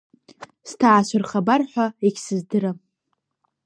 Сҭаацәа рхабар ҳәа егьсыздырам.